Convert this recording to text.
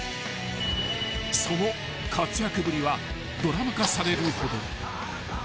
［その活躍ぶりはドラマ化されるほど］